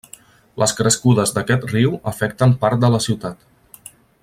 Les crescudes d'aquest riu afecten part de la ciutat.